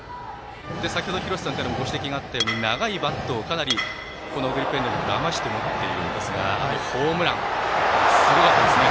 先ほど廣瀬さんからもご指摘があったように長いバットをかなり余して持っているんですがこのホームランはすごかったですね。